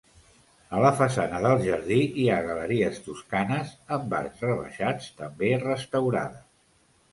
A la façana del jardí hi ha galeries toscanes amb arcs rebaixats, també restaurades.